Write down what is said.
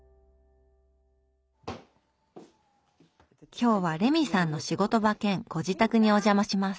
今日はレミさんの仕事場兼ご自宅にお邪魔します。